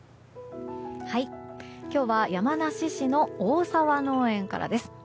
今日は山梨市の大沢農園からです。